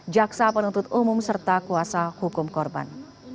jaksa penuntut umum serta kuasa hukum korban